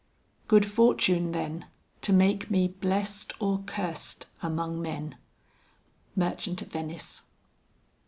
"Good fortune then, To make me bless't or cursed'st among men." MERCHANT OF VENICE.